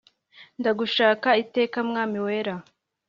Ndagushaka iteka mwami wera